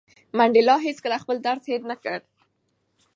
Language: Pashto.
منډېلا هېڅکله خپل درد هېر نه کړ.